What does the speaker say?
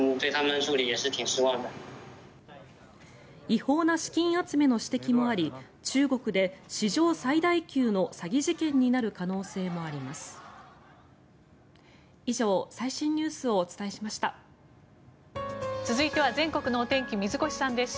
違法な資金集めの指摘もあり中国で史上最大級の詐欺事件になる可能性もあります。